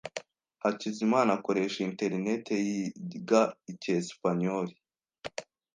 Hakizimana akoresha interineti yiga icyesipanyoli.